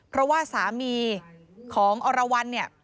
เพราะว่าสามีของอรวรรณเนี่ย